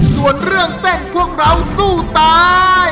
ส่วนเรื่องเต้นพวกเราสู้ตาย